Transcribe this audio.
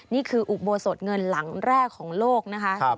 นี่คืออุโบสดเงินหลังแรกของโลกนะครับ